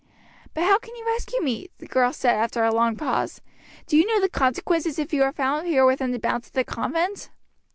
"But how can you rescue me?" the girl asked after a long pause. "Do you know the consequences if you are found here within the bounds of the convent?"